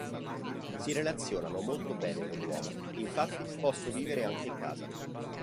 Si relazionano molto bene con l'uomo, infatti posso vivere anche in casa.